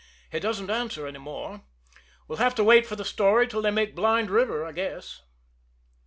"He doesn't answer any more. We'll have to wait for the story till they make Blind River, I guess."